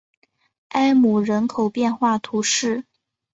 埃姆人口变化图示